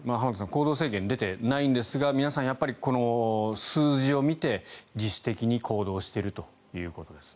行動制限出ていないんですが皆さん、数字を見て自主的に行動しているということです。